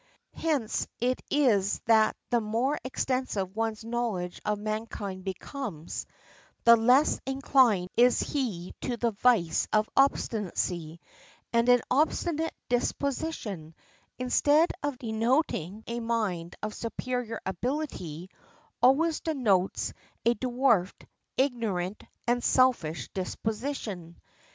Hence it is that the more extensive one's knowledge of mankind becomes, the less inclined is he to the vice of obstinacy; and an obstinate disposition, instead of denoting a mind of superior ability, always denotes a dwarfed, ignorant, and selfish disposition.